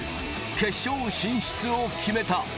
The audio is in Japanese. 決勝進出を決めた。